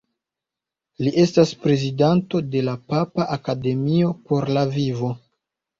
Li estas prezidanto de Papa Akademio por la vivo.